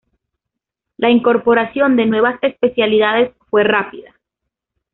La incorporación de nuevas especialidades fue rápida.